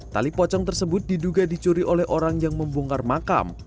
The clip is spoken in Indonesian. tali pocong tersebut diduga dicuri oleh orang yang membongkar makam